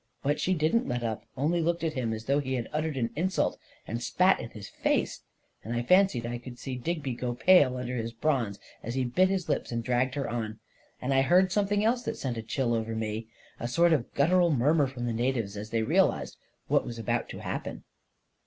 But she didn't let up — only looke^ at him as though he had uttered an insult, and spat in his face ; and I fancied I could see Digby go pale under 254 A KING IN BABYLON his bronze as he bit his lips and dragged her on ; and I heard something else that sent a chill over me — a sort of guttural murmur from the natives, as they realized what was about to happen.